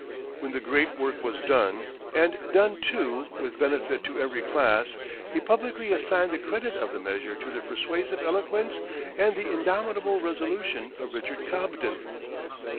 When the great work was done, and done, too, with benefit to every class, he publicly assigned the credit of the measure to the persuasive eloquence and the indomitable resolution of Richard Cobden.